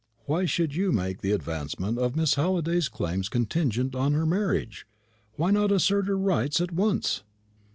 "Why should you make the advancement of Miss Halliday's claims contingent on her marriage? Why not assert her rights at once?"